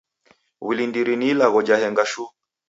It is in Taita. W'ulindiri ni ilagho ja henga shuu.